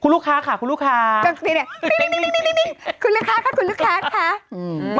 คุณลูกค้าคุณลูกค้าเดี๋ยวคุณลูกค้าคุณลูกค้าค่ะ